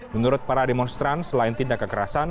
menurut para demonstran selain tindak kekerasan